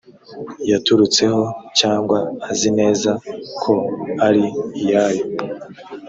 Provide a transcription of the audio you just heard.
yaturutseho cyangwa azi neza ko ari iyayo